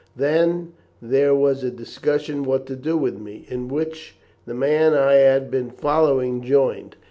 Then there was a discussion what to do with me, in which the man I had been following joined.